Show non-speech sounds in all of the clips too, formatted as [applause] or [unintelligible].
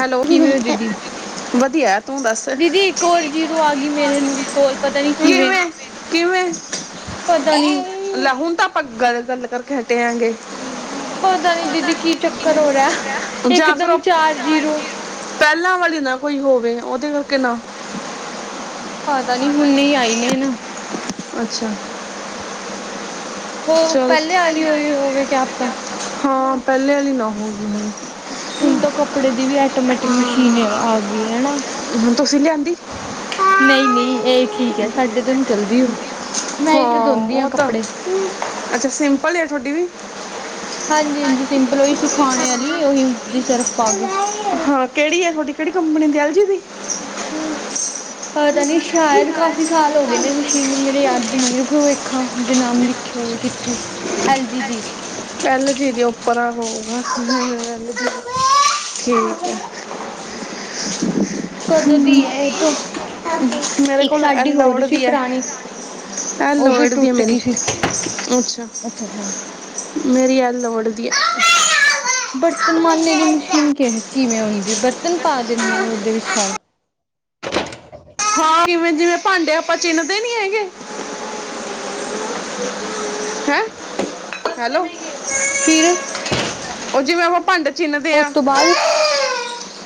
Hello ਕਿਵੇਂ ਹੋ ਦੀਦੀ? ਵਧੀਆ। ਤੂੰ ਦੱਸ, ਦੀਦੀ ਇੱਕ ਹੋਰ ਜੀਰੋ ਆ ਗਈ ਮੇਰੇ ਕੋਲ ਪਤਾ ਨੀ ਕਿਵੇਂ ਕਿਵੇਂ? ਪਤਾ ਨੀ। ਲੈ ਹੁਣ ਤਾਂ ਆਪਾਂ ਗੱਲ ਗੱਲ ਕਰਕੇ ਹਟੇ ਆ ਗੇ। ਪਤਾ ਨੀ ਦੀਦੀ ਕੀ ਚੱਕਰ ਹੋ ਰਿਹਾ ਇਕ ਜਾਂ ਫਿਰ ਦਮ ਉਹ ਚਾਰ ਜੀਰੋ ਪਹਿਲਾਂ ਵਾਲੀ ਨਾ ਕੋਈ ਹੋਵੇ ਉਹਦੇ ਕਰਕੇ ਨਾ ਪਤਾ ਨੀ ਹੁਨ ਆਈ ਨੇ ਨਾ। ਅੱਛਾ ਹੋ ਚਲ ਪਹਿਲੇ ਆ ਹੀ ਹੋਈ ਹੋਵੇ ਕਿਆ ਪਤਾ। ਹਾਂ ਪਹਿਲੇ ਵਾਲੀ ਨਾ ਹੋ ਗਈ ਹੋਵੇ। ਹੁਣ ਤਾਂ ਕੱਪੜੇ ਦੀ ਵੀ ਆਟੋਮੈਟਿਕ ਮਸ਼ੀਨ ਆ ਗਈ ਹਨਾ। ਹੁਣ ਤੁਸੀਂ ਲਿਆਂਦੀ ਹਾਂ ਨਹੀਂ-ਨਹੀਂ ਇਹ ਠੀਕ ਹੈ ਸਾਡੇ ਤੋਂ ਨੀ ਚੱਲਦੀ ਹੋ ਮੈਂ ਇਥੇ ਧੋਂਦੀ ਆ ਉਹ ਤਾਂ ਕੱਪੜੇ। ਅੱਛਾ ਸਿੰਪਲ ਆ ਤੁਹਾਡੀ ਵੀ? ਹਾਂਜੀ-ਹਾਂਜੀ, ਸਿੰਪਲ ਉਹੀ ਸੁਖਾਣੇ ਵਾਲੀ ਉਹੀ ਜ ਸਰਫ ਪਾ ਕੇ। ਹਾਂ ਕਿਹੜੀ ਆ ਤੁਹਾਡੀ ਕਿਹੜੀ ਕੰਪਨੀ ਦੀ ਐਲ ਜੀ ਦੀ? ਪਤਾ ਨੀ ਸ਼ਾਇਦ ਕਾਫੀ ਸਾਲ ਹੋ ਗਏ ਨੇ ਮਸ਼ੀਨ ਮੇਰੀ ਯਾਦ ਨਹੀਂ ਰੁਕੋ ਵੇਖਾਂ ਜੇ ਨਾਮ ਲਿਖਿਆ ਹੋਵੇ ਕਿੱਥੇ ਐਲ ਜੀ ਦੀ। ਐੱਲ ਜੀ ਦੀ ਉੱਪਰ ਨੂੰ ਹੋਊਗਾ ਠੀਕ ਆ। [unintelligible] ਕਦੋਂ ਦੀ ਹੈ ਇਹ ਤੋਂ, ਮੇਰੇ ਇੱਕ ਸਾਡੀ ਹੋਰ ਸੀ ਪੁਰਾਣੀ। ਇਹ ਉਹ ਵੀ ਲੋੜਦੀ ਆ ਟੁੱਟ ਮੇਰੀ ਗਈ ਸੀ। ਅੱਛਾ। ਅੱਛਾ ਅੱਛਾ, ਮੇਰੀ ਇਹ ਲੋੜ ਦੀ ਆ ਬਰਤਨ ਮਾਂਜਣੇ ਦੀ ਮਸ਼ੀਨ ਕਿਵੇਂ ਹੁੰਦੀ ਬਰਤਨ ਪਾ ਦਿੰਦੇ ਹੋ ਉਹਦੇ ਵਿੱਚ ਸਾਰੇ? ਹਾਂ ਕਿਵੇਂ ਜਿਵੇਂ ਭਾਂਡੇ ਆਪਾਂ ਚਿੰਨਦੇ ਨੀ ਹੈਗੇ ਹੈਂ ਹੈਲੋ ਫਿਰ ਓ ਜਿਵੇਂ ਉਹ ਪਾਂਡੇ ਚਿੰਨਦੇ ਉਸ ਆ ਤੋਂ ਬਾਅਦ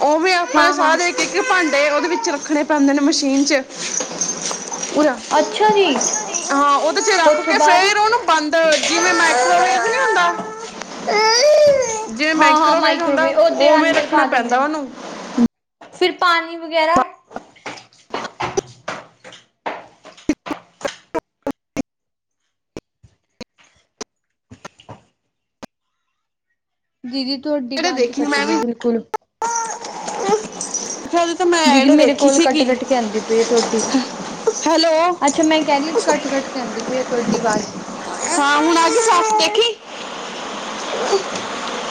ਓ ਵੇ ਆਪਾਂ ਨੇ ਹਾਂ ਹਾਂ ਸਾਰੇ ਇੱਕ ਭਾਂਡੇ ਉਹਦੇ ਵਿੱਚ ਰੱਖਣੇ ਪੈਂਦੇ ਨੇ ਮਸ਼ੀਨ ਚ। ਅੱਛਾ ਜੀ ਹਾਂ ਉਹਦੇ ਚ ਰੱਖ ਉਥੋਂ ਕੇ ਬਾਅਦ ਫੇਰ ਉਹਨੂੰ। ਬੰਦ ਜਿਵੇਂ ਮਾਈਕ੍ਰੋਵੇਵ ਨੀ ਹੁੰਂਦਾ [inaudible] ਹਾਂ-ਹਾਂ ਹੁੰਦਾ ਮਾਈਕ੍ਰੋਵੇਵ ਉਹਦੇ ਉਵੇਂ ਅੰਦਰ ਰੱਖਣਾ ਪਾ ਦਿੰਦੇ ਪੈਂਦਾ ਨੇ ਉਹਨੂੰ ਫਿਰ ਪਾਣੀ ਵਗੈਰਾ ਦੀਦੀ ਤੁਹਾਡੀ ਜਿਹੜੇ ਵੱਜ ਦੇਖੀ ਕੱਟ ਮੈਂ ਗਈ ਵੀ ਬਿਲਕੁਲ। [unintelligible] ਦੀਦੀ ਜਿਹੜੇ ਮੇਰੇ ਦੇਖੀ ਕੋਲ ਸੀਗੀ ਕੱਟ-ਕੱਟ ਕੇ ਆਂਦੀ ਪਈ ਆ ਥੋਡੀ, ਹੈਲੋ ਅੱਛਾ, ਮੈਂ ਕਹਿ ਰਹੀ ਘੱਟ-ਘੱਟ ਕੇ ਆਂਦੀ ਪਈ ਆ ਥੋਡੀ ਆਵਾਜ਼। ਹਾਂ ਹੁਣ ਆਗੀ ਸਾਫ ਦੇਖੀ।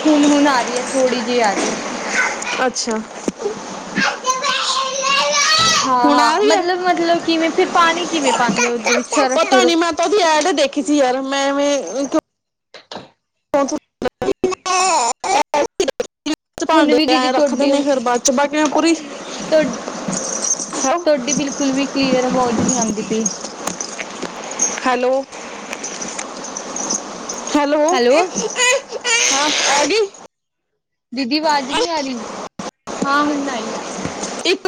ਹੁਣ ਹੁਣ ਆ ਰਹੀ ਐ ਥੋੜੀ ਜਿਹੀ ਆ ਰਹੀ ਐ। ਅੱਛਾ, ਹਾਂ ਹੁਣ ਆ ਹਾਂ, ਰਹੀ ਹੈ ਮਤਲਬ ਮਤਲਬ ਕਿਵੇਂ ਫਿਰ ਪਾਣੀ ਕਿਵੇਂ ਪਾਂਦੇ ਉਹਦੇ ਵਿੱਚ ਸਰਫ ਪਤਾ ਨਹੀਂ ਸੁਰਫ ਮੈਂ ਉਹਦੀ ਐਡ ਦੇਖੀ ਸੀ ਯਾਰ ਮੈਂ ਐਵੇ [inaudible] ਚ ਹੁਣ ਭਾਂਡੇ ਵੀ ਦੀਦੀ ਐ ਰੱਖਦੇ ਤੁਹਾਡੀ ਨੇ ਫਿਰ ਬਾਅਦ ਚ ਬਾਕੀ ਮੈਂ ਪੂਰੀ ਤੁਹਾ ਡੀ ਬਿਲਕੁਲ ਵੀ ਕਲੀਅਰ ਔਵਜ ਨਹੀ ਆਂਦੀ ਪਈ। ਹੈਲੋ। ਹੈਲੋ ਹਾਂ ਆਗੀ। ਦੀਦੀ ਆਵਾਜ਼ ਨਹੀਂ ਆ ਰਹੀ ਹਾਂ ਹੁਣ ਆਈ ਆ। ਇੱਕ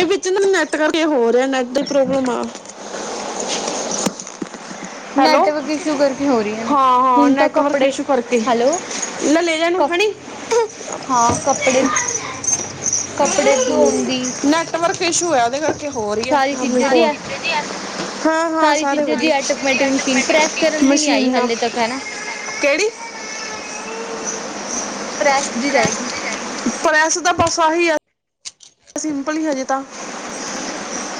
ਇਹ ਵਿੱਚ ਨੈਟ ਕਰਕੇ ਹੋ ਰਿਹਾ ਨੈਟ ਦੀ ਪ੍ਰੋਬਲਮ ਆ। [inaudible] ਹੈਲੋ ਨੈਟਵਰਕ ਇਸ਼ੂ ਕਰਕੇ ਹੋ ਰਹੀਆਂ ਨੇ ਹਾਂ-ਹਾਂ ਹੁਣ ਤਾਂ ਨੈਟਵਰਕ ਕੱਪੜੇ ਇਸ਼ੂ ਕਰਕੇ ਹੈਲੋ ਲੇ ਜਾ ਕ ਇਹਨੂੰ ਫੜੀ ਹਾਂ ਕੱਪੜੇ ਕੱਪੜੇ ਧੋਣ ਦੀ ਨੈਟਵਰਕ ਇਸ਼ੂ ਐ ਉਹਦੇ ਕਰਕੇ ਹੋ ਰੀ ਐ। ਸਾਰੀ ਚੀਜ਼ਾਂ ਜੀ ਹਾਂ-ਹਾਂ ਸਾਰੇ ਵਧੀਆ। ਔਟੋਮੈਟਿਕ ਮਸ਼ੀਨ ਪ੍ਰੈਸ ਕਰਨ ਦੀ ਨੀ ਆਈ ਮਸ਼ੀਨਾਂ ਹਾਲੇ ਤੱਕ ਹਨਾ। [inaudible] ਪ੍ਰੇਸ ਦੀ ਰਹਿਗੀ। ਪ੍ਰੈਸ ਦਾ ਬਸ ਅਹੀ ਆ ਸਿੰਪਲ ਹੀ ਹਜੇ ਤਾਂ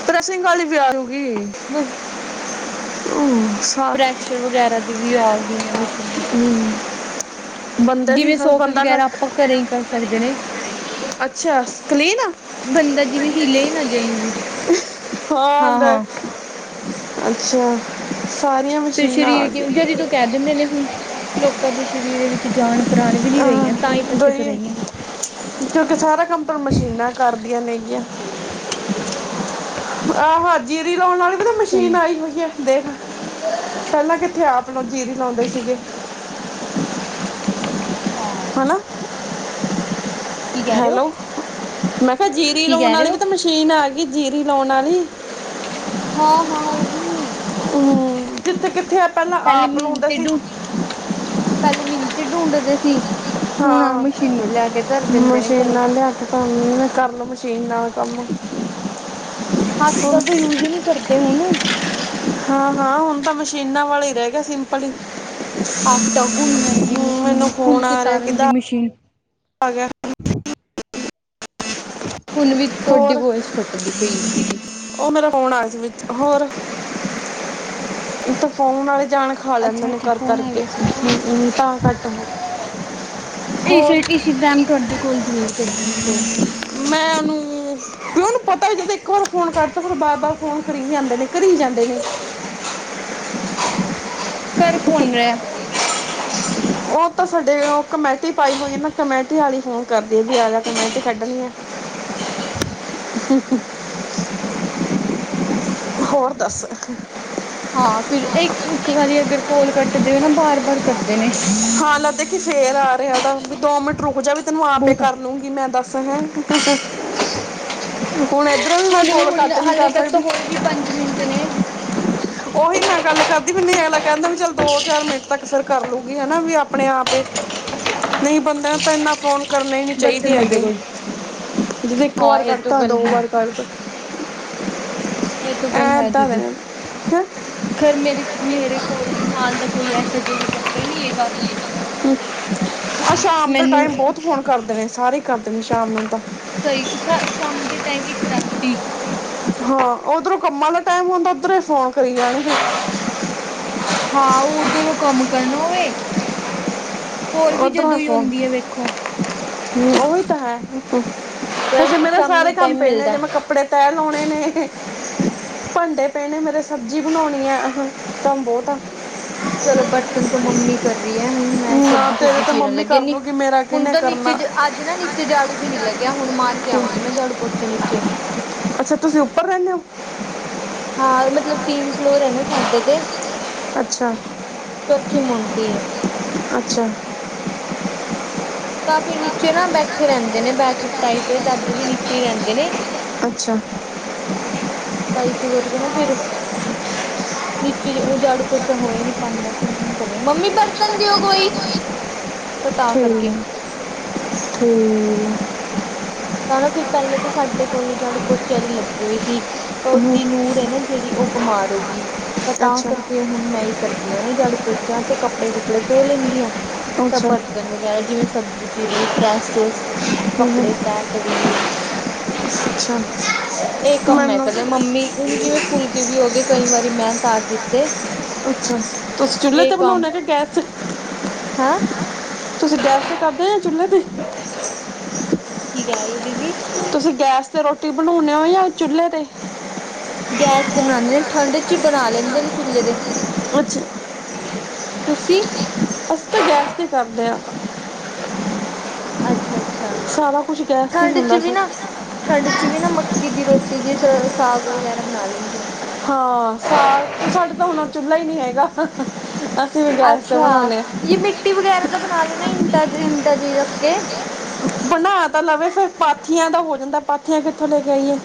ਪ੍ਰਸਿੰਗ ਆਲੀ ਤਿਆਰ ਹੋਗੀ। ਬਸ [inaudible] ਪ੍ਰੈਸ਼ ਵਗੈਰਾ ਦੀ ਵੀ ਆ ਗੀ ਨਵੀਂ ਹੂੰ, ਬੰਦੇ ਵੀ ਜਿਵੇਂ ਸੋਫੇ ਬੰਦ ਵਗੈਰਾ ਆਪਾਂ ਘਰੇ ਹੀ ਕਰ ਸਕਦੇ ਨੇ ਅੱਛਾ ਕਲੀਨ ਬੰਦਾ ਜਿਵੇਂ ਹੀਲੇ ਹੀ ਨਾ ਜਮੀ ਵੀ। ਹਾਂ ਆਂਦਾ ਹਾਂ-ਹਾਂ ਅੱਛਾ ਸਾਰੀਆਂ ਫਿਰ ਮਸ਼ੀਨਾਂ ਆ ਸਰੀਰ ਕਿਵੇਂ ਗਈਆਂ ਜਦੀ ਤੋਂ ਕਹਿ ਦਿੰਦੇ ਨੇ ਹੁਣ ਲੋਕਾਂ ਦੇ ਸਰੀਰ ਵਿੱਚ ਜਾਣ ਡਰ ਵੀ ਨੀ ਰਹੀਆਂ ਤਾਂ ਹੀ ਅਹ ਕਰਕੇ ਤ ਦਈ ਰਹੀਂ ਆਂ ਕਿਉਂਕਿ ਸਾਰਾ ਕੰਮ ਤਾਂ ਮਸ਼ੀਨਾਂ ਕਰਦੀਆਂ ਹੇਗੀਆਂ ਆਹੋ ਜੀਰੀ ਲਾਉਂਣ ਵਾਲ਼ੀ ਤਾਂ ਨੀਂ ਸਹੀ। ਮਸ਼ੀਨ ਆਈ ਹੋਈ ਦੇਖ ਪਹਿਲਾਂ ਕਿੱਥੇ ਆਪ ਜੀਰੀ ਲਾਉਂਦੇ ਸੀਗੇ ਹਾਂ ਹਨਾ ਕੀ ਕਹਿ ਰਹੇ ਹੋ? ਹੈਲੋ ਮੈਂ ਕਿਹਾਂ ਜੀਰੀ ਕੀ ਲਾਉਂਣ ਕਹਿ ਰਹੇ ਵਾਲੀ ਹੋ? ਵੀ ਤਾਂ ਮਸ਼ੀਨ ਆ ਗਈਂ ਜੀਰੀ ਲਾਉਂਣ ਵਾਲ਼ੀ ਹਾਂ ਹਾਂ ਉਹੀਂ ਹਮ ਜਿੱਥੇ ਕਿੱਥੇ ਆ ਪਹਿਲਾਂ ਪਹਿਲੇ ਆਪ ਲਾਉਂਦਾ ਮਿਹਨਤੀ ਸੀ। ਢੂੰ ਪਹਿਲੇ ਮਿੱਤੀ ਡੂੰਡਦੇ ਸੀ। ਹੁਣ ਆ ਹਾਂ ਮਸ਼ੀਨ ਲੈ ਕੇ ਧਰ ਦਿੰਦੇ ਨੇ ਘਰੇ ਹੁਣ ਕਰਲੋ ਮਸ਼ੀਨ ਨਾਲ ਕੰਮ ਹੱਥ ਦਾ ਹੁਣ ਤਾਂ ਯੂਜ ਹੀ ਨਹੀਂ ਕਰਦੇ ਹੁਣ ਹਾਂ ਹਾਂ ਹੁਣ ਤਾਂ ਮਸ਼ੀਨਾਂ ਵਾਲੇ ਹੀ ਰਹਿ ਗਿਆਂ ਸੀ ਫੜੀਂ ਆਟਾ ਗੁੰਨਣ ਦੀ ਮੈਨੂੰ ਮਸ਼ੀਨ ਫੋਨ ਫੁਲਕੇ ਆ ਰਿਹਾਂ ਤਾਰਨ ਦੀ ਕਿੱਦਾਂ ਮਸ਼ੀਨ ਅਗਰ ਹੁਣ ਵੀ ਤੁਹਾਡੀ ਹੋਰ ਬੋਇਸ ਕੱਟਦੀ ਪਈ ਹੈ ਦੀਦੀ ਉਹ ਮੇਰਾ ਫੋਨ ਆਇਆਂ ਸੀ ਵਿੱਚ ਹੋਰ ਤਾਂ ਫੋਨ ਵਾਲ਼ੇ ਜਾਣ ਖਾ ਲੈਂਦੇ ਅੱਛਾ ਨੇ ਅੱਛਾ ਕਰ ਫੋਨ ਆ ਕਰਕੇ ਗਿਆ ਸੀ ਹ ਤਾਂ ਘੱਟ ਇਸ ਇਸ ਟਾਈਮ ਤੁਹਾਡੇ ਕੋਲ ਜ਼ਰੂਰ ਕਰਦੇਣੇ ਕੋਲ। ਮੈਂ ਉਹਨੂੰ ਵੀ ਉਹਨੂੰ ਪਤਾ ਵੀ ਜੇ ਦੇਖੋ ਇੱਕ ਵਾਰ ਫੋਨ ਕਟ ਫਿਰ ਬਾਰ-ਬਾਰ ਫੋਨ ਕਰੀ ਜਾਂਦੇ ਨੇ ਕਰੀ ਜਾਂਦੇ ਨੇ ਘਰ ਕੋਣ ਰਿਹਾ। ਉਹ ਤਾਂ ਸਾਡੇ ਕਮੇਟੀ ਪਾਈ ਹੋਈ ਨਾ ਕਮੇਟੀ ਵਾਲ ਹੀ ਫੋਨ ਕਰਦੀ ਵੀ ਆਜਾ ਕਮੈਂਟੀ ਕੱਢਣੀ ਆ। [inaudible] ਹੋਰ ਦੱਸ ਹਾਂ ਫ਼ਿਰ ਇੱਕ ਇੱਕ ਵਾਰੀਂ ਅਗਰ ਕੋਲ਼ ਕੱਟਦੇ ਹੋ ਨਾਂ ਬਾਰ ਬਾਰ ਕਰਦੇ ਨੇ ਹਾਂ ਲੱਗਦਾ ਕਿ ਫ਼ੇਰ ਆ ਰਿਹਾਂ ਤਾਂ ਵੀ ਦੋ ਮਿੰਟ ਰੁੱਕ ਜਾਵੇ। ਤੈਨੂੰ ਆਪੇ ਬਹੁਤਾ ਕਰ ਲੂੰਗੀ ਮੈਂ ਦੱਸ ਹੈ ਹੁਣ ਇਧਰੋਂ ਵੀ ਮੈਂ ਹੁਣ ਕੋਲ ਹੁਣ ਕੱਟ ਨਹੀਂ ਹਾਲੇ ਕਰ ਤੱਕ ਤਾਂ ਸਕਦੀ ਹੋਏ ਵੀ ਪੰਜ ਮਿੰਟ ਨੇਂ ਉਹੀ ਮੈਂ ਗੱਲ ਕਰਦੀ ਮੈਨੂੰ ਅਗਲਾ ਕਹਿੰਦਾ ਵੀ ਚੱਲ ਦੋ ਚਾਰ ਮਿੰਟ ਤੱਕ ਅਸਰ ਕਰ ਲੂੰਗੀ ਹਨਾ ਵੀ ਆਪਣੇਂ ਆਪ ਐਂ ਨਹੀਂ ਬੰਦਾ ਤਾਂ ਇਨਾਂ ਫੋਨ ਕਰਨੇਂ ਹੀ ਨੀ ਚਾਹੀਦੇ ਬਰਤਨ ਦੇ ਹੈਗੇ ਕੋਈ ਜਦੋਂ ਇੱਕ ਹਾਂ ਵਾਰ ਇਹ ਤੋਂ ਕਰਤਾ ਗੱਲ ਦੋ ਹੈ ਵਾਰ ਕਰ ਇਹ ਤੋਂ ਗੱਲ ਐ ਹੈ ਏਦਾਂ ਦੇ ਦੀਦੀ ਨੇ ਹੈਂ ਫੇਰ ਮੇਰੇ ਮੇਰੇ ਕੋਲ ਨਾਲ ਤਾਂ ਕੋਈ ਐਸਾ ਚੱਕਰ ਨਹੀਂ ਹੈਗਾ ਆਹ ਸ਼ਾਮ ਦਾ ਮੈਨੂੰ ਟਾਈਮ ਬਹੁਤ ਫੋਨ ਕਰਦੇ ਨੇ ਸਾਰੇ ਕਰਦੇ ਨੇ ਸ਼ਾਮ ਨੂੰ ਤਾਂ ਸਹੀ ਦਸਾ ਸ਼ਾਮ ਦੇ ਟਾਈਮ ਇੱਕ ਰਾਤੀਂ ਹਾਂ ਉਧਰੋਂ ਕੰਮਾਂ ਦਾ ਟਾਈਮ ਹੁੰਦਾਂ ਉਧਰੋਂ ਫੋਨ ਕਰੀਂ ਜਾਂਣਗੇ ਹਾਂ ਉਧਰੋਂ ਕੰਮ ਕਰਨਾ ਹੋਵੇਂ ਕੋਲ਼ ਵੀ ਜਦੋਂ ਹੀ ਆੁੰਂਦੀ ਹੈ ਵੇਖੋ ਹ ਉਹੀਂ ਤਾਂ ਹੈ ਹਜੇ ਮੇਰੇ ਸਾਰੇ ਸ਼ਾਮੀ ਕੰਮ ਟਾਈਮ ਪਏ ਹਜੇ ਮਿਲਦਾ ਮੈਂ ਕੱਪੜੇ ਤੈਹ ਲਾਉਂਣੇ ਨੇ ਭਾਂਡੇ ਪਏ ਨੇ ਮੇਰੇ ਸਬਜ਼ੀ ਬਣਾਉਣੀ ਆ ਕੰਮ ਬਹੁਤ ਚਲੋ ਬਰਤਨ ਤੋਂ ਮੰਮੀ ਕਰ ਰਹੀਂ ਹੈ ਹੁਣ ਮੈਂ ਨਾ ਸਬਜ਼ੀ ਤੇਰੇ ਸਬਜ਼ੀ ਤਾਂ ਚੀਰਨ ਮੰਮੀ ਲੱਗੇ ਕਰ ਸੀ ਦੂਗੀ ਮੇਰਾ ਹੁਣ ਕਿਹਨੇ ਤਾਂ ਨੀਚੇ ਕਰਨਾ ਅੱਜ ਨਾ ਨੀਚੇ ਜਾੜੂ ਵੀ ਨੀ ਲੱਗਿਆ ਹੁਣ ਮਾਰ ਕੇ ਆਵਾਂਗੀ ਮੈਂ ਝਾੜੂ ਪੋਚਾ ਨੀਚੇ ਅੱਛਾ ਤੁਸੀਂ ਉੱਪਰ ਰਹਿੰਦੇਂ ਹੋ ਹਾਂ ਮਤਲਬ ਤਿੰਨ ਫਲੋਰ ਹੈ ਨਾਂ ਸਾਡੇ ਤੇ ਅੱਛਾ ਚੌਥੀ ਮੁੰਟੀ ਹੈ ਅੱਛਾ ਜਗ੍ਹਾ ਤਾਂ ਬੈਠੇ ਰਹਿੰਦੇ ਫਿਰ ਨੇ ਨੀਚੇ ਨਾ ਬੈਠੇ ਰਹਿੰਦੇ ਨੇ ਭਾਬੀ ਭਰਜਾਈ ਇੱਧਰ ਕੋਈ ਬੈਠਕ ਟਾਈਮ ਸਪੇਰਾ ਮੰਮੀ ਕਰਦੇ ਨੇ ਦਾਦੂ ਵੀ ਰਹਿੰਦੀ ਨੀਚੇ ਹੈ, ਰਹਿੰਦੇ ਨੇ ਅੱਛਾ [inaudible] ਨੀਚੇ ਜਾੜੂ-ਪੋਚਾ ਹੋਇਆਂ ਨੀ, ਪਾਂਡ ਦਾ ਕੰਮ ਕਰ ਰਹੀ ਆਂ, ਮੰਮੀ ਬਰਤਨ ਦਿਓ ਕੋੋਈ। [inaudible] ਹੂੰ, ਹੂੰ ਤਾਂ ਨਾ ਫਿਰ ਪਹਿਲੋਂ ਤੋ ਸਾਡੇ ਕੋਲ ਚਾੜੂ-ਪੋਚੇ ਵਾਲੀ ਲੱਗੀ ਹੋਈ ਸੀ, ਤਾਂ ਹੂੰ ਉਹਦੀ ਨੂਰ ਹੈ ਨਾ ਜਿਹੜੀ ਉਹ ਬਿਮਾਰ ਹੋਗੀ, ਤ ਤਾਂ ਅੱਛਾ ਕਰਕੇ ਅੱਛਾ ਤੇ ਹੁਣ ਮੈਂ ਹੀ ਕਰਦੀ ਹਾਂ, ਜਾੜੂ-ਪੋਚਾ ਤੇ, ਕੱਪੜੇ-ਕੁੱਪੜੇ ਦੋ ਲੈਂਦੀ ਆਂ। ਤਾਂ ਬਰਤਨ ਵਗੈਰਾ, ਜਿਵੇਂ ਸਬਜ਼ੀ ਚੀਰ ਲਈ, ਪ੍ਰੈੱਸ, ਹੂੰ ਕੱਪੜੇ ਹੂੰ, ਤੈਅ ਕਦੀ ਅੱਛਾ। ਇਹ ਕੰਮ ਮੈਂ ਮੈਨੂੰ ਕਰ, ਮੰਮੀ, ਹੁਣ ਜਿਵੇਂ ਫੁਲਕੇ ਵੀ ਹੋ ਗਏ, ਕਈ ਵਾਰੀ ਮੈਂ ੳਤਾਰ ਦਿੱਤੇ। ਤੁਸੀਂ ਚੁੱਲ੍ਹੇ ਤੇ ਬਣਾਉਂਨੇ, ਕਿ ਗੈਸ'ਚ? ਹਾਂ! ਤੁਸੀਂ ਗੈਸ ਤੇ ਕਰਦੇ, ਜਾ ਚੁੱਲ੍ਹੇ ਤੇ ਈ? ਕੀ ਕਹ ਰਹੇ ਹੋ, ਦੀਦੀ? ਤੁਸੀਂ ਗੈਸ ਤੇ ਰੋਟੀ ਬਣਾਂਉਨੇ ਓ, ਯਾ ਚੁੱਲੇ ਤੇ? ਗੈਸ ਤੇ ਬਣਾਨੇ ਆ, ਠੰਡ'ਚ ਬਣਾ ਲੈਂਦੇ ਨੇ, ਚੁੱਲੇ ਤੇ। ਕੁਛ ਤੁਸੀ? ਅਸੀਂ ਤਾ ਗੈਸ ਤੇ ਕਰਦੇਂ ਹਾਂ। ਅੱਛਾ-ਅੱਛਾ, ਸਾਰਾ ਕੁਛ ਗੈਸ ਤੇ ਹੀ ਠੰਡ'ਚ ਹੁੰਦਾ ਵੀ ਸਰ ਨਾਂ ਠੰਡ'ਚ ਵੀ ਨਾ ਮੱਕੀ ਦੀ ਰੋਟੀ, ਜੇ ਸਾਗ ਵਗ਼ੈਰਾ ਬਣਾਂ ਲੈਂਦੇ ਨੇ। ਹਾਂ, ਸਾਗ ਸਾਡੇ ਤਾਂ ਹੁਣ ਓ ਚੁਲਾ ਹੀ ਨਹੀਂ ਹੈਗਾ। ਅਸੀਂ ਗੈਸ ਤੇ ਬਣਾਉਂਦੇ ਆ। ਰੁਟੀ ਵਗੈਰਾ ਦਾ ਬਣਾ ਲੈ ਨਾ ਇੰਟਾ'ਚ, ਇੰਟਾਚ ਰੱਖਕੇ। ਬਣਾ ਤਾ ਲਵੇ, ਫਿਰ ਪਾਥੀਆਂ ਦਾ ਹੋ ਜਾਂਦਾ, ਪਾਥੀਆਂ ਕਿੱਥੋਂ ਲੈਕੇ ਆਈਏ?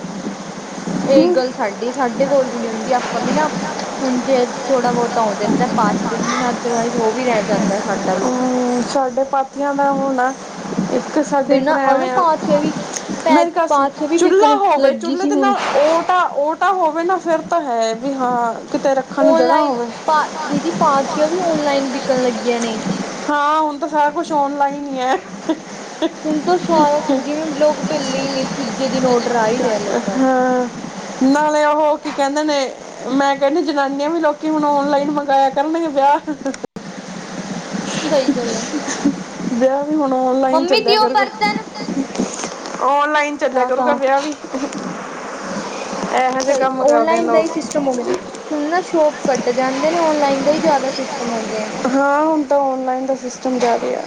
ਇਹੀ ਗੱਲ ਸਾਡੀ ਏ, ਸਾਡੇ ਕੋਲ ਵੀ ਨੀ ਹੁੰਦੀ, ਆਪਾਂ ਵੀ ਨਾ ਹੁਣ ਜੇ ਥੋੜ੍ਹਾ-ਬਹੁਤਾ ਹੋ ਜਾਂਦਾ, ਪਾਠ ਦੇ ਦਿਨ ਨਾ ਅਦਰਵਾਈਜ਼ ਉਹ ਵੀ ਰਹਿ ਜਾਂਦਾ ਸਾਡਾ ਵੀ। ਹਮ, ਸਾਡੇ ਪਾਥੀਆਂ ਦਾ ਹੋਣਾ ਇੱਕ ਫਿਰ ਸਾਡੇ ਨਾ ਘਰ ਉਹ ਨਾ ਐਂਵੇ ਆ, ਪਾਥੀਆਂ ਵੀ ਪੈ ਨਈ ਦਸ ਪਾਥੀਆਂ ਵੀ ਚੁੱਲਾ ਵਿਕਣ ਹੋਵੇ, ਲੱਗੀ ਚੁੱਲੇ ਸੀ ਦੇ ਹੁਣ ਨਾਲ ਓਟ ਆ, ਓਟ ਤਾਂ ਹੋਵੇ ਨਾ ਫੇਰ ਤਾਂ ਹੈ, ਵੀ ਹਾਂ, ਕਿਤੇ ਰ ਓਨਲਾਈਨ ਪਾ ਦੀਦੀ, ਪਾਥੀਆਂ ਵੀ ਓਨਲਾਈਨ ਬਿਕਣ ਲੱਗੀਆਂ ਨੇ। ਹਾਂ, ਹੁਣ ਤਾਂ ਸਾਰਾ ਕੁਛ ਔਨਲਾਈਨ ਹੀ ਹੈ। ਤੋ ਸਾਰਾ ਕੁੱਝ ਜਿਵੇਂ ਲੋਗ ਬੇੱਲੇ ਹੀ ਨੇ, ਤੀਜੇ ਦਿਨ ਔਡਰ ਆ ਹੀ ਰਿਹਾ। ਲੋਕਾਂ ਦਾ ਹਾਂ, ਨਾਲੇ ਉਹ‌ ਕੀ ਕਹਿੰਦੇ ਨੇ ਮੈਂ ਕਹਿੰਨੀ ਜਨਾਨੀਆਂ ਵੀ ਹੁਣ ਲੋਕੀ ਔਨਲਾਈਨ ਮੰਗਾਇਆ ਕਰਨਗੇ, ਵਿਆਹ ਸਹੀ ਗਲ ਏ। ਬਿਆਹ ਵੀ ਹੁਣ ਔਨਲਾਈਨ ਚੱਲਿਆ ਦਿਓ ਕਰੂਗਾ, ਬਰਤਨ ਔਨਲਾਈਨ। ਚੱਲਿਆ ਤਾਂ ਤਾਂ ਕਰੂਗਾ ਵਿਆਹ ਵੀ। ਇਹੋ ਜਿਹੇ ਸਹੀ, ਕੰਮ ਕਰਦੇ ਨੇ ਔਨਲਾਈਨ ਦਾ ਲੋਕ ਏਹੀ ਸਿਸਟਮ ਹੋਗਿਆ। ਹੁਣ ਨਾ ਸ਼ੋਪ ਘੱਟੇ ਜਾਂਦੇ ਨੇ, ਔਨਲਾਈਨ ਦਾ ਹੀ ਜ਼ਿਆਦਾ ਸਿਸਟਮ ਹੋਗਿਆ। ਹਾਂ, ਹੁਣ ਤਾਂ ਔਨਲਾਈਨ ਦਾ ਸਿਸਟਮ ਜ਼ਿਆਦੇ ਆ।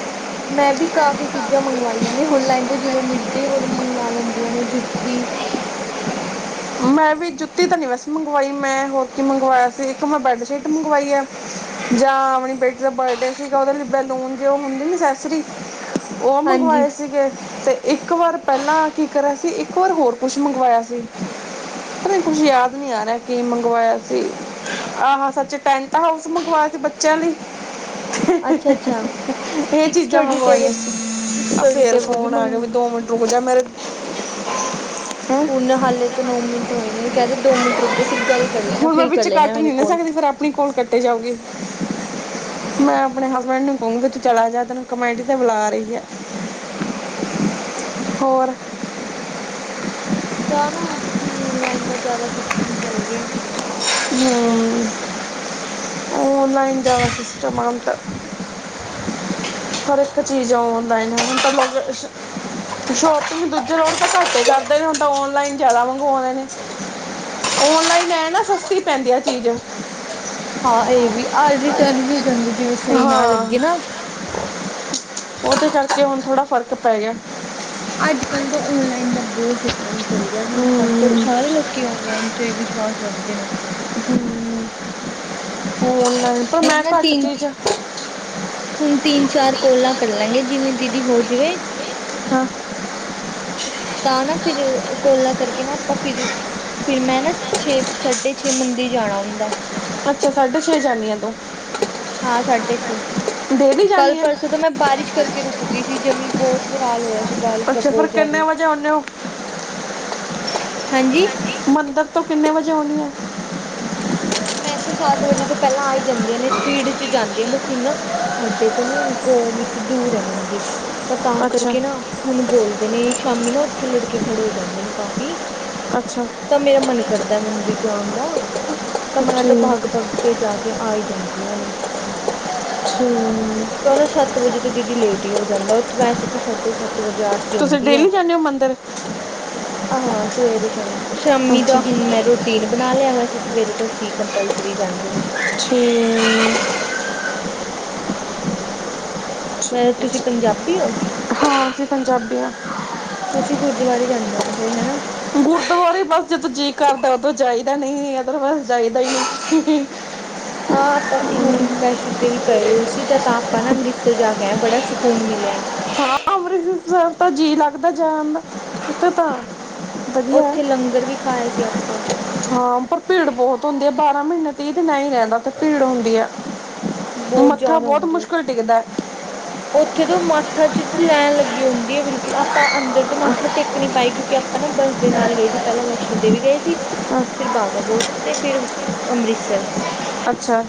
[inaudible] ਮੈਂ ਬੀ ਕਾਫ਼ੀ ਚੀਜ਼ਾਂ ਮੰਗਵਾਈਆਂ ਨੇ ਔਨਲਾਈਨ ਤੋਂ ਜਿਵੇਂ ਮਿੱਡੀ, ਔਰ ਮੰਗਵਾ ਲੈਂਦੀਆਂ ਨੇ, ਜੁੱਤੀ। ਮੈਂ ਵੀ ਜੁੱਤੀ ਤਾਂ ਨਹੀਂ ਵੈਸੇ ਮੰਗਵਾਈ ਮੈਂ, ਹੋਰ ਕੀ ਮੰਗਵਾਇਆ ਸੀ, ਇੱਕ ਮੈਂ ਬੈੱਡਸ਼ੀਟ ਮੰਗਵਾਈ ਏ ਜਾਂ ਅਪਣੀ ਬੇਟੀ ਦਾ ਬਰਡੇ ਸੀਗਾ, ਉਹਦੇ ਲਈ ਬੈਲੂਨ ਜੇ ਉਹ ਹੁੰਦੈ ਨੀ ਸਰੀ, ਉਹ ਹਾਂਜੀ ਮੰਗਵਾਏ ਸੀਗੇ, ਤੇ ਇੱਕ ਵਾਰ ਪਹਿਲਾਂ ਕੀ ਕਰਿਆ ਸੀ, ਇੱਕ ਵਾਰ ਹੋਰ ਕੁਛ ਮੰਗਵਾਇਆ ਸੀ। [inaudible] ਅਰੇ ਕੁੱਝ ਯਾਦ ਨਹੀਂ ਆ ਰਿਹਾ, ਕੀ ਮੰਗਵਾਇਆ ਸੀ। ਆਹੋ ਸੱਚ ਟੈਂਟਹਾਊਸ ਮੰਗਵਾਇਆ ਸੀ, ਬੱਚਿਆਂ ਲਈ। ਅੱਛਾ ਅੱਛਾ ਇਹ ਇੱਕ ਚੀਜ਼ਾਂ ਸਟੱਡੀ ਟੇਬਲ ਮੰਗਵਾਈਆਂ ਇੱਕ ਸੀ, ਆ ਸਟੱਡੀ ਫੇਰ ਟੇਬਲ ਫੋਨ ਆ ਗਿਆ, ਮੰਗਵਾ ਵੀ ਦੋ ਮਿੰਟ ਰ ਜਾਂ ਮੇਰੇ, [unintelligible] [unintelligible] ਉਨ ਹਾਲੇ, ਨੋ ਮਿੰਟ ਹੋਏ ਨੇ ਕਹਿੰਦੇ ਦੋ ਮਿੰਟ ਰੁਕਜੋ ਫਿਰ ਗੱਲ, ਕਰ ਲੈਣਾ ਹੁਣ ਮੈਂ ਫਿਰ ਕਰ ਵਿੱਚ ਲੈਣਾ ਕੱਟ ਮੇਰੇ ਨੀ ਨਾ ਕੋਲ ਸਕਦੀ ਫੇਰ ਆਪਣੀ ਕੋਲ ਕੱਟੇ ਜਾਊਗੀ। ਮੈਂ ਆਪਣੇ ਹਸਬੈਂਡ ਨੂੰ ਕਹੂੰਗੀ, ਤੂੰ ਚਲਾ ਜਾ ਤੈਨੂੰ ਕਮੈਂਟੀ ਤੇ ਬੁਲਾ ਰਹੀ ਆ। ਹੋਰ, ਤਾਂ ਨਾ ਔਨਲਾਈਨ ਦਾ ਜ਼ਿਆਦਾ ਸਿਸਟਮ ਚੱਲ ਗਿਆ। ਹੂੰ, ਔਨਲਾਈਨ ਦਾਵਾ ਸਿਸਟਮ ਆ ਤਾਂ। ਹਰ ਇੱਕ ਚੀਜ਼ ਔਨਲਾਈਨ ਹੈ ਹੁਣ ਤਾਂ ਲੋਕ, ਸ਼ੋਪਿੰਗ ਦੂਜੇ ਲੋੜ ਤਾਂ ਘੱਟ ਹੀ ਕਰਦੇ ਨੇ ਹੁਣ ਤਾਂ ਔਨਲਾਈਨ ਜਿਆਦਾ ਮੰਗਵਾਉਣੇ ਨੇ, ਔਨਲਾਈਨ ਐ ਨਾ ਸਸਤੀ ਪੈਂਦੀ ਆ ਚੀਜ਼। ਹਾਂ ਇਹ ਵੀ ਆ ਰਿਟਰਨ ਵੀ ਹੋ ਜਾਂਦੇ ਜਿਵੇਂ ਸਹੀ ਨਾ ਹਾਂ ਲੱਗੇ ਨਾ, ਉਹਦੇ ਕਰਕੇ ਹੁਣ ਥੋੜ੍ਹਾ ਫਰਕ ਪੈ ਗਿਆ। ਅੱਜ-ਕੱਲ੍ਹ ਤਾਂ ਔਨਲਾਈਨ ਦਾ ਬਹੁਤ ਸਿਸਟਮ ਚੱਲ ਗਿਆ, ਹੁਣ ਸਾਡੇ ਹਮ, ਸਾਰੇ ਲੋਕ- ਤੇ ਵਿਸ਼ਵਾਸ ਰੱਖਦੇ ਨੇ ਔਨਲਾਈਨ ਤਾ ਹੁਣ ਮੈਂ ਨਾ ਘੱਟ ਤਿੰਨ ਚੀਜ਼ ਹੁਣ ਤਿੰਨ ਚਾਰ ਕੋਲਾਂ ਕਰ ਲਾਂਗੇ ਜਿਵੇਂ ਦੀਦੀ ਹੋ ਜਾਵੇ ਹਾਂ ਤਾਂ ਨਾ ਫਿਰ ਕੋਲਾ ਕਰਕੇ ਨਾ ਆਪਾਂ ਫਿਰ ਫਿਰ ਮੈਂ ਨਾ ਛੇ ਸਾਢੇ ਛੇ ਮੰਦ ਜਾਣਾ ਹੁੰਦਾ। ਅੱਛਾ ਸਾਢੇ ਛੇ ਜਾਂਨੀ ਆਂ ਤੂੰ, ਹਾਂ ਸਾਢੇ ਛੇ ਡੇਲੀ ਕੱਲ ਜਾਂਦੀ ਆ ਪਰਸੋਂ, ਜਦੋਂ ਮੈਂ ਬਾਰਿਸ਼ ਕਰਕੇ ਰੁਕ ਗਈ ਸੀ, ਜਮੀ ਬਹੁਤ ਬਰਾਲ ਹੋਇਆ ਸੀ ਬਾਰਿਸ਼ ਦਾ ਅੱਛਾ ਫਿਰ ਬਹੁਤ ਜ਼ਿਆਦਾ ਕਿੰਨੇ ਹੀ। ਵਜੇ ਆਉਂਦੇ ਹੋ ਹਾਂਜੀ, ਮੰਦਰ ਤੋਂ ਕਿੰਨੇ ਵਜੇ ਆਣੀ ਹੈ। ਮੈਂ ਇੱਥੋਂ ਸੱਤ ਵਜੇ ਤੋਂ ਪਹਿਲਾਂ ਆ ਹੀ ਜਾਂਦੀਆਂ ਨੇ ਸਪੀਡ ਜਾਂਦੀ ਹਾਂ ਬਸ ਹਣ ਸਾਡੇ ਤੋਂ ਨਾ ਗੌ ਵਿੱਚ ਦੂਰ ਹੈ ਮੰਦੀ। ਤਾਂ ਤਾਂ ਅੱਛਾ ਕਰਕੇ ਨਾ ਹੁਣ ਬੋਲਦੇ ਨੇ ਸ਼ਾਮੀ ਨਾ ਉੱਥੇ ਲੜਕੇ ਖੜੇ ਹੋ ਜਾਂਦੇ ਨੇ ਕਾਫ਼ੀ, ਅੱਛਾ, ਤਾਂ ਮੇਰਾ ਮਨ ਕਰਦਾ ਮੰਦਿਰ ਜਾਣ ਦਾ, ਤਾਂ ਠੀਕ ਮੈਂ ਤਾਂ ਬੱਗ-ਬੱਗ ਕੇ ਜਾ ਕੇ ਆ ਹੀ ਜਾਂਦੀਆਂ ਨੇ, ਹੂੰ, ਤਾਂ ਉਹਨਾਂ ਸੱਤ ਵਜੇ ਤੋਂ ਦੀਦੀ ਲੇਟ ਹੀ ਹੋ ਜਾਂਦਾ, ਉੱਥੇ ਵੈਸੇ ਤੂੰ ਸਾਢੇ ਸੱਤ ਵਜੇ ਆ। ਤੁਸੀਂ ਦੀ ਹੈ ਡੇਲੀ ਜਾਂਦੇ ਹੋ ਮੰਦਰ ਆਹੋ ਸਵੇਰੇ ਸ਼ਾਮ ਸ਼ਾਮੀ ਅੱਛਾ ਦਾ ਹੁਣ ਮੈਂ ਰੋਟੀ, ਪਟੀਨ ਬਣਾ ਲਿਆ, ਵੈਸੇ ਸਵੇਰੇ ਤੋਂਸੀਂ ਕੰਪਲਸਰੀ ਜਾਂਦੇ ਸੀ। ਹੂੰ, ਹੋਰ ਤੁਸੀਂ ਪੰਜਾਬੀ ਹੋ? ਹਾਂ ਅਸੀਂ ਪੰਜਾਬੀ ਆ। ਤੁਸੀਂ ਗੁਰਦੁਆਰੇ ਜਾਂਦੇ ਹੋ ਫਿਰ ਹਨਾ। ਗੁਰਦੁਆਰੇ ਬਸ ਜਦੋਂ ਜੀਅ ਕਰਦਾ, ਉਦੋਂ ਜਾਈਦਾ ਨਹੀਂ ਅਦਰਵਾਈਜ਼ ਜਾਈਦਾ ਹੀ ਨਹੀਂ। ਆਹ ਆਪਾਂ ਹੁਣ ਵੈਸ਼ਨੋ ਦੇਵੀ ਕਰਏ ਹੋਏ ਸੀ, ਤਾਂ ਤਾਂ ਆਪਾਂ ਨਾ ਅੰਮ੍ਰਿਤਸਰ ਜਾ ਕੇ ਆ ਬੜਾ ਸਕੂਨ ਮਿਲਿਆ। ਹਾਂ ਅੰਮ੍ਰਿਤਸਰ ਤਾਂ ਜੀਅ ਲੱਗਦਾ ਜਾਣ ਤਾਂ, ਵਧੀਆ ਹੈ। ਉੱਥੇ ਲੰਗਰ ਵੀ ਖਾਇਆ ਸੀ ਆਪਾਂ, ਹਾਂ ਪਰ ਭੀੜ ਬਹੁਤ ਹੁੰਦੀ ਆ ਬਾਰਾਂ ਮਹੀਨੇ ਤੇਈ ਦਿ ਨਾਲ ਹੀ ਰਹਿੰਦਾ। ਤੇ ਭੀੜ ਹੁੰਦੀ ਹੈ, ਮੱਥਾ ਜ਼ਿਆਦਾ ਬਹੁਤ ਹੁੰਦੀ ਉੱਥੇ ਮੁਸ਼ਕਿਲ ਟਿਕਦਾ। ਹੈ ਉੱਥੇ ਤੋਂ ਮਾਥਾ ਚ ਲੈਣ ਲੱਗੀ ਹੁੰਦੀ ਹੈ, ਬਿਲਕੁਲ ਆਪਾਂ ਅੰਦਰ ਤੋਂ ਮੱਥਾ ਟੇਕ ਨੀ ਪਾਈ ਕਿਉਂਕਿ ਆਪਾਂ ਨਾ ਬੱਸ ਦੇ ਨਾਲ ਗਏ ਸੀ, ਪਹਿਲਾਂ ਵੈਸ਼ਨੋ ਦੇਵੀ ਗਏ ਸੀ। ਅ- ਫਿਰ ਬਾਘਾ ਬਾਰਡਰ ਗਏ, ਤੇ ਫਿਰ ਅੰਮ੍ਰਿਤਸਰ। ਅੱਛਾ।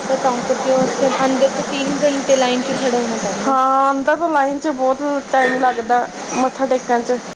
[unintelligible] ਉੱਥੇ ਅੰਦਰ ਤੋ ਤਿੰਨ ਘੰਟੇ ਲਾਈਨ ਖੜਾ ਹੋਣਾ ਪੈਂਦਾ ਹਾਂ, ਉੱਥੇ ਲਾਈਨ ਵਿੱਚ ਬਹੁਤ ਸਮਾਂ ਲੱਗ ਜਾਂਦਾ ਹੈ ਮੱਥਾ ਟੇਕਣ ਚ,